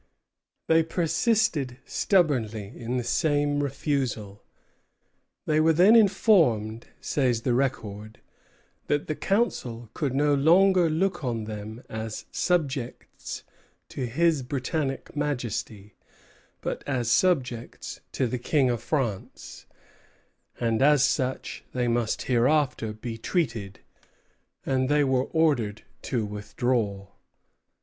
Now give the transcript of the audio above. They persisted stubbornly in the same refusal. "They were then informed," says the record, "that the Council could no longer look on them as subjects to His Britannic Majesty, but as subjects to the King of France, and as such they must hereafter be treated; and they were ordered to withdraw."